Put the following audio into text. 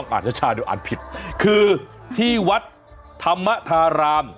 อ่านชาติเดี๋ยวอ่านผิดคือที่วัดธรรมธาราม